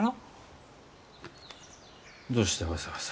どうしてわざわざ。